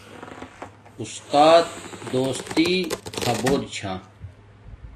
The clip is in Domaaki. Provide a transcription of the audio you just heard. اُستات دوستی خبور چھا